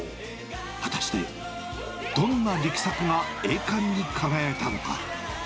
果たして、どんな力作が栄冠に輝いたのか。